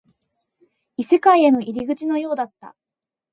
異世界への入り口のようだった